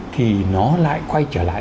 thì nó lại quay trở lại